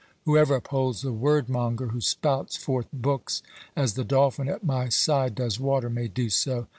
Whoever upholds the word monger who spouts forth books as the dolphin at my side does water, may do so.